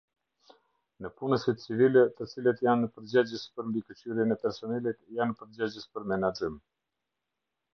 Nëpunësit civilë, të cilët janë përgjegjës për mbikëqyrjen e personelit, janë përgjegjës për menaxhim.